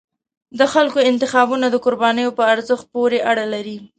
د خلکو انتخابونه د قربانیو په ارزښت پورې اړه لري